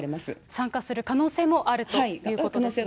参加する可能性もあるということですね。